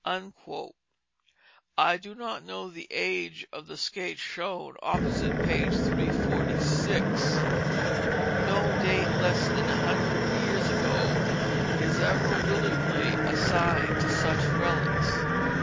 I do not know the age of the skates shown opposite page 346. No date less than a hundred years ago is ever willingly assigned to such relics.